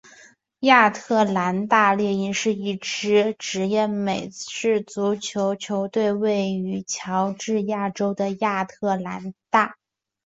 亚特兰大猎鹰是一支职业美式足球球队位于乔治亚州的亚特兰大。